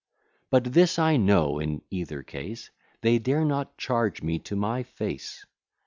But this I know, in either case, They dare not charge me to my face.